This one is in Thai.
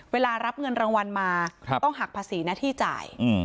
เวลารับเงินรางวัลมาต้องหักภาษีหน้าที่จ่าย